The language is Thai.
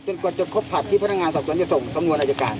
กว่าจะครบผลัดที่พนักงานสอบสวนจะส่งสำนวนอายการ